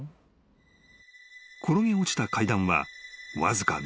［転げ落ちた階段はわずか７段］